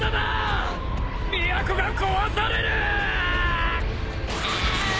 都が壊される！